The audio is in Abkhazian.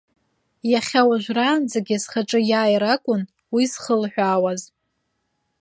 Иахьа уажәраанӡагьы схаҿы иааир акәын уи зхылҳәаауаз.